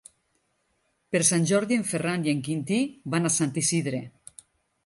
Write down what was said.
Per Sant Jordi en Ferran i en Quintí van a Sant Isidre.